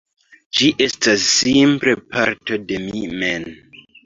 Ĝi estas simple parto de mi mem